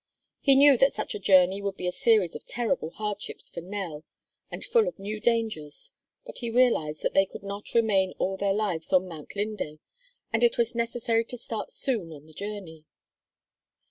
He knew that such a journey would be a series of terrible hardships for Nell and full of new dangers, but he realized that they could not remain all their lives on Mount Linde and it was necessary to start soon on the journey.